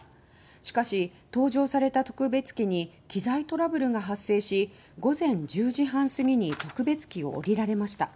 しかし、登場された特別機に機材トラブルが発生し午前１０時半過ぎに特別機を降りられました。